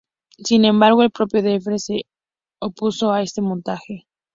Sin embargo, el propio Dreyer se opuso a este montaje.